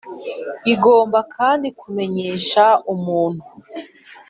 Igomba kandi kumenyesha umuntu